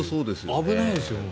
危ないですよね。